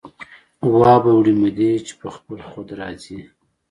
وابه وړي مودې چې په خپل خود را ځي